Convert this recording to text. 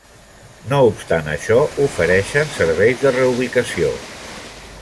No obstant això, ofereixen serveis de reubicació.